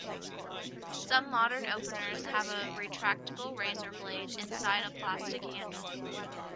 Some modern openers have a retractable razor blade inside a plastic handle.